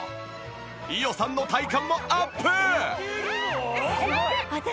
伊代さんの体幹もアップ！